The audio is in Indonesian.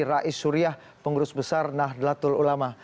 rais suryah pengurus besar nahdlatul ulama